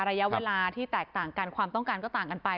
ระยะเวลาที่แตกต่างกันความต้องการก็ต่างกันไป